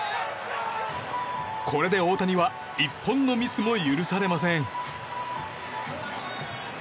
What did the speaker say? これで大谷は１本のミスも許されません。